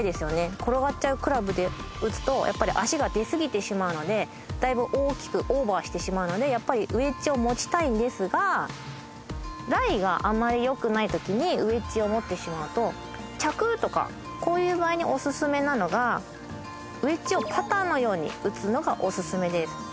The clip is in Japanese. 転がっちゃうクラブで打つとやっぱり足が出過ぎてしまうのでだいぶ大きくオーバーしてしまうのでやっぱりウェッジを持ちたいんですがライがあまりよくないときにウェッジを持ってしまうとちゃくとかこういう場合にオススメなのがウェッジをパターのように打つのがオススメです。